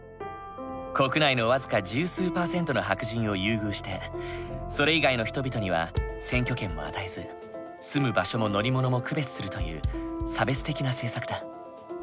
国内の僅か十数％の白人を優遇してそれ以外の人々には選挙権も与えず住む場所も乗り物も区別するという差別的な政策だ。